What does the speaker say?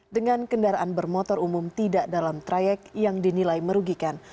dengan kendaraan bermotor umum tidak dalam trayek yang dinilai merugikan